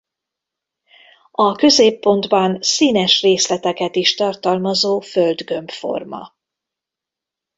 A középpontban színes részleteket is tartalmazó földgömb forma.